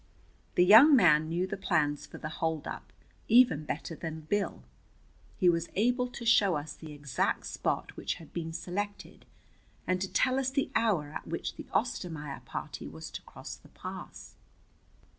The young man knew the plans for the holdup even letter than Bill. He was able to show us the exact spot which had been selected, and to tell us the hour at which the Ostermaier party was to cross the pass.